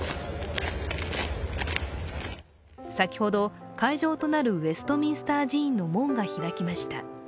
先ほど、会場となるウェストミンスター寺院の門が開きました。